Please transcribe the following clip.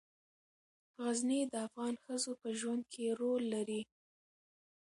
غزني د افغان ښځو په ژوند کې رول لري.